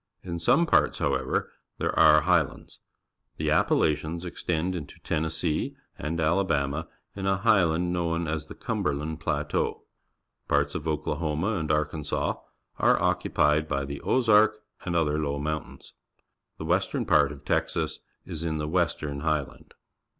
In some parts, however, there are highlands. The Appalachians extend into Tennessee and Alabama in a highland known as the Cum berland Plateau. Parts of Oklahoma and Arkansas are occupied by the Ozark and other low mountains. The western part of Texas is in the Western Highland.